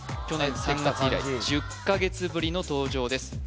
去年３月以来１０か月ぶりの登場です